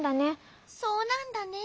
そうなんだね。